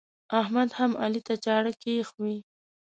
احمد هم علي ته چاړه کښوي.